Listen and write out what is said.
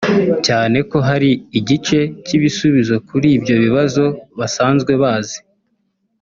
cyane ko hari igice cy’ibisubizo kuri ibyo bibazo basanzwe bazi